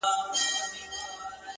ورباندي وځړوې _